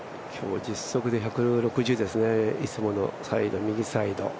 今日は実測で１６０ですね、いつものサイド、右サイド。